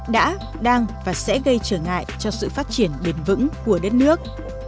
đã đang và sẽ gây trở ngại cho sự phát triển bền vững của đất nước